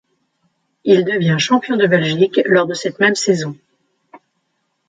Il devient champion de Belgique lors de cette même saison.